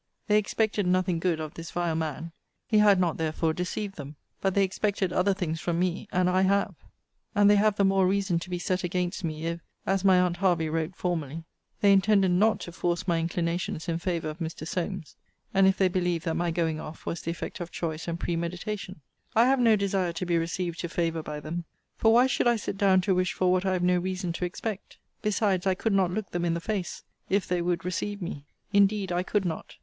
They expected nothing good of this vile man; he had not, therefore, deceived them: but they expected other things from me; and I have. And they have the more reason to be set against me, if (as my aunt Hervey wrote* formerly,) they intended not to force my inclinations in favour of Mr. Solmes; and if they believe that my going off was the effect of choice and premeditation. * See Vol. III. Letter LII. I have no desire to be received to favour by them: For why should I sit down to wish for what I have no reason to expect? Besides, I could not look them in the face, if they would receive me. Indeed I could not.